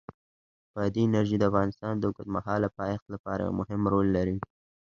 بادي انرژي د افغانستان د اوږدمهاله پایښت لپاره یو مهم رول لري.